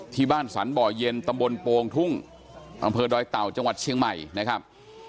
ที่บ้านสรรบ่อเย็นตำบลโป่งทุ่งอำเภอดอยเต่าจังหวัดเชียงใหม่นะครับ